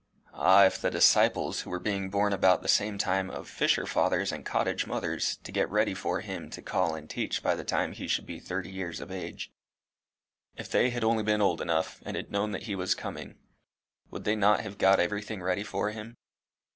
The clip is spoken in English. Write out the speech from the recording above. Ah! if the disciples, who were being born about the same time of fisher fathers and cottage mothers, to get ready for him to call and teach by the time he should be thirty years of age if they had only been old enough, and had known that he was coming would they not have got everything ready for him?